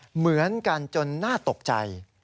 เหมือนกันจนน่าตกใจ